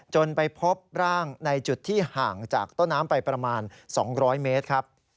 ไปพบร่างในจุดที่ห่างจากต้นน้ำไปประมาณ๒๐๐เมตรครับ